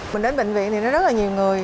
mình đến bệnh viện thì nó rất là nhiều người